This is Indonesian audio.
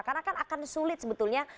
karena kan akan sulit sebetulnya